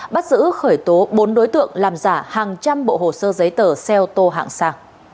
bắt giữ khởi tố bốn đối tượng làm giả hàng trăm bộ hồ sơ giấy tờ xe ô tô hạng sang